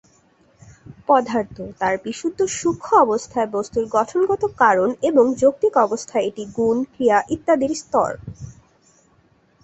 পদার্থ, তার বিশুদ্ধ সূক্ষ্ম অবস্থায় বস্তুর গঠনগত কারণ, এবং যৌক্তিক অবস্থায় এটি গুণ, ক্রিয়া ইত্যাদির স্তর।